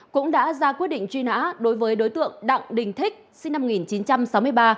cũng đã ra quyết định truy nã đối với đối tượng đặng đình thích sinh năm một nghìn chín trăm sáu mươi ba